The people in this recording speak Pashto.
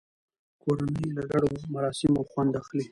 کورنۍ له ګډو مراسمو خوند اخلي